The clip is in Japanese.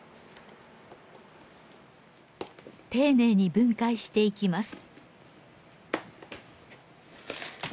丁寧に分解していきます。